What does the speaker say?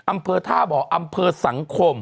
อำเภอท่าบ่ออำเภอสังคม